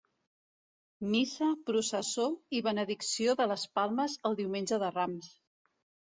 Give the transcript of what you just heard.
Missa, processó i benedicció de les palmes el Diumenge de Rams.